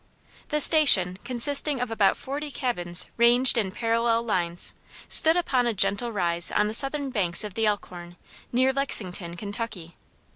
The station, consisting of about forty cabins ranged in parallel lines, stood upon a gentle rise on the southern banks of the Elkhorn, near Lexington, Kentucky.